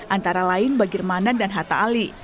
antara lain bagirmanan dan hatta ali